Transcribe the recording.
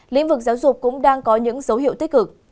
lĩnh vực giáo dục cũng đang có những dấu hiệu tích cực